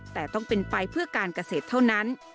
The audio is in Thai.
แต่ต้องเป็นไปเพื่อการเกษตรเท่านั้น